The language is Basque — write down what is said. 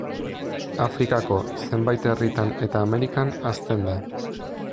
Afrikako zenbait herritan eta Amerikan hazten da.